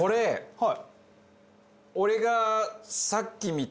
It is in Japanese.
はい。